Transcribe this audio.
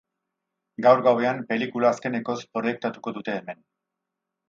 Gaur gauean, pelikula azkenekoz proiektatuko dute hemen.